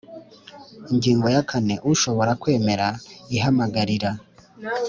Ingingo ya kane Ushobora kwemera ihamagarira